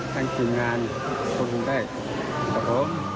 ทั้งทีมงานบุญได้ขอบคุณครับ